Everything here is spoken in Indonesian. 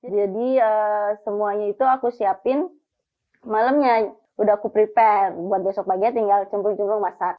jadi semuanya itu aku siapin malamnya udah aku prepare buat besok pagi tinggal cembung cembung masak